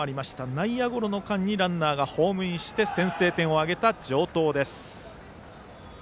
内野ゴロの間にランナーがホームインして先制点を挙げた城東です。